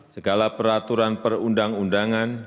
segala peraturan perundang undangan